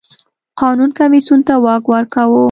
قانون کمېسیون ته واک ورکاوه.